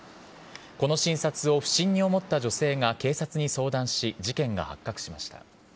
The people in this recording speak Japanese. この診察を不審に思った女性が警察に相談し、事件が発覚しました。